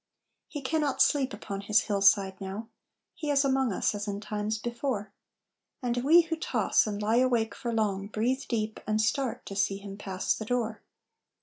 He cannot sleep upon his hillside now. He is among us: as in times before! And we who toss and lie awake for long Breathe deep, and start, to see him pass the door.